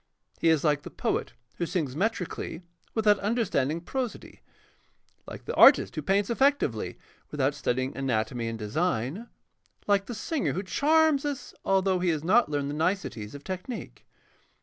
He is like the poet who sings metrically without understanding prosody, like the artist who paints effectively without studying anatomy and design, like the singer who charms us although he has not learned the niceties of technique.